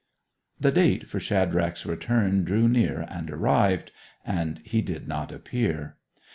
The date for Shadrach's return drew near and arrived, and he did not appear.